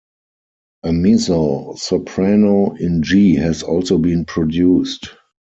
A mezzo-soprano in G has also been produced.